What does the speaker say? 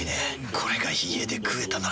これが家で食えたなら。